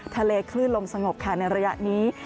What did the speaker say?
คลื่นลมสงบค่ะในระยะนี้